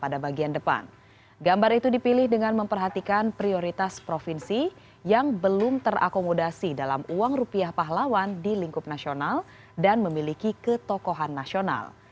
dan memiliki ketokohan nasional